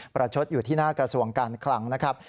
ประชดอยู่ที่หน้ากระทรวงการคลังนะครับ